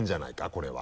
これは。